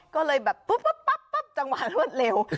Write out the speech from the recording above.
ก็เลยแบบปุ๊บจังหวะเร็ว